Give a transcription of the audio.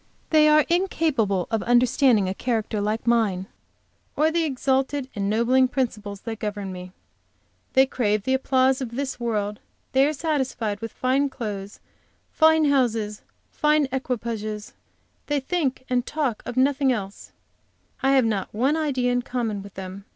"They are incapable of understanding a character like mine, or the exalted, ennobling principles that govern me. They crave the applause of this world, they are satisfied with fine clothes, fine houses, fine equipages. They think and talk of nothing else; I have not one idea in common with them.